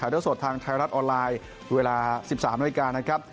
ถ่ายเท้าสดทางไทยรัตน์ออนไลน์เวลา๑๓นาที